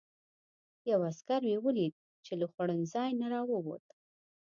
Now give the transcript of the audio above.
یو عسکر مې ولید چې له خوړنځای نه راووت.